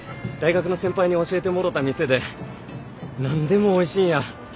大学の先輩に教えてもろた店で何でもおいしいんや。